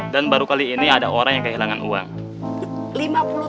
dan baru kali ini ada orang yang kehilangan sepeda